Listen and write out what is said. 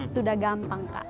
sudah gampang kak